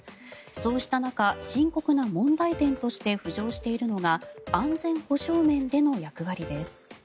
そうした中、深刻な問題点として浮上しているのが安全保障面での役割です。